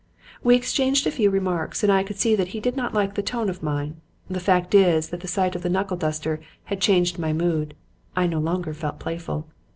"We exchanged a few remarks and I could see that he did not like the tone of mine. The fact is that the sight of the knuckle duster had changed my mood. I no longer felt playful.